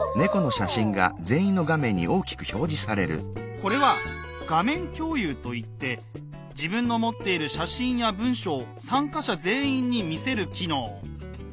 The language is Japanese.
これは「画面共有」といって自分の持っている写真や文書を参加者全員に見せる機能。